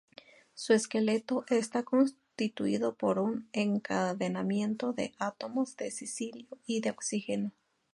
Su esqueleto está constituido por un encadenamiento de átomos de silicio y de oxígeno.